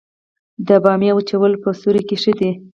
د بامیې وچول په سیوري کې ښه دي؟